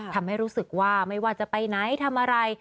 ทำให้รู้สึกว่าไม่ว่าจะไปไหนทำอะไร